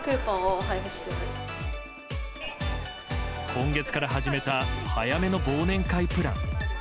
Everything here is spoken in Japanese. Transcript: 今月から始めた早めの忘年会プラン。